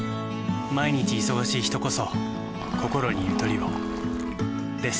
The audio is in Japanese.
毎日忙しい人こそこころにゆとりをです。